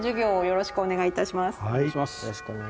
よろしくお願いします。